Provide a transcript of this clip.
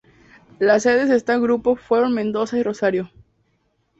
Las sedes de este grupo fueron Mendoza y Rosario.